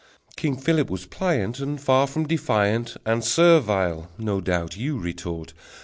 King Philip was pliant, And far from defiant "And servile," no doubt you retort!